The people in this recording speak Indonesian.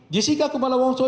jessica kumala wangso